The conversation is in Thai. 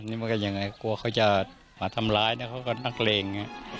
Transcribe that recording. ก็ก็อย่างไรกลัวเขาจะมาทำร้ายเขาก็นักเลง